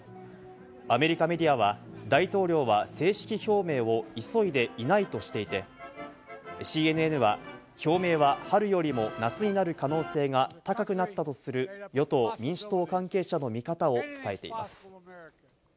アメリカメディアは大統領は正式表明を急いでいないとしていて、ＣＮＮは表明は春よりも夏になる可能性が高くなったとする、与党・民主党関係者の見方を伝えています。